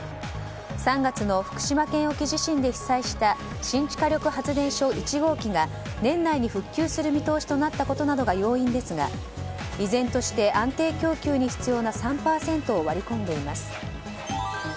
３月の福島県沖地震で被災した新地火力発電所１号機が年内に復旧する見通しとなったことなどが要因ですが依然として安定供給に必要な３％を割り込んでいます。